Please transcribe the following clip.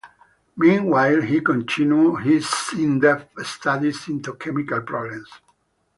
Meanwhile he continued his in-depth studies into chemical problems.